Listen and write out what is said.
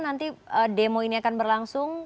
nanti demo ini akan berlangsung